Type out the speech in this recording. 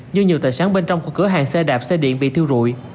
nhưng nhiều tài sản bên trong của cửa hàng xe đạp xe điện bị thiêu rụi